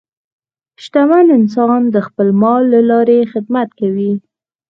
شتمن انسان د خپل مال له لارې خدمت کوي.